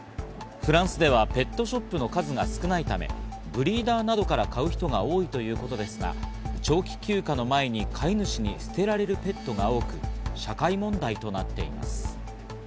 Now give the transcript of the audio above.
フランスではペットショップの数が少ないため、ブリーダーなどから買う人が多いということですが、長期休暇の前に飼い主に捨てられるペットが多く社会問題となっています。